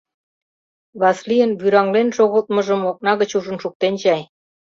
Васлийын вӱраҥлен шогылтмыжым окна гыч ужын шуктен чай.